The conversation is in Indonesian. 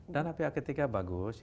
dana pihak ketiga bagus